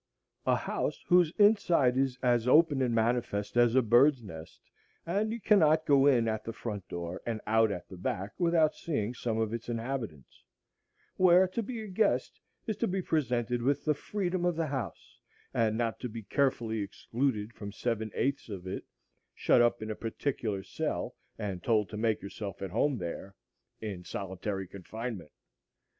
A house whose inside is as open and manifest as a bird's nest, and you cannot go in at the front door and out at the back without seeing some of its inhabitants; where to be a guest is to be presented with the freedom of the house, and not to be carefully excluded from seven eighths of it, shut up in a particular cell, and told to make yourself at home there,—in solitary confinement.